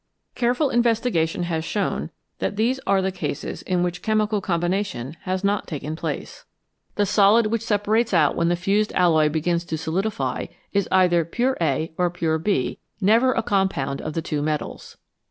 Careful investi gation has shown that these are the cases in which chemical combination has not taken place. The solid 79 TWO METALS BETTER THAN ONE which separates out when the fused alloy begins to solidify is either pure A or pure B, never a compound of the two metals.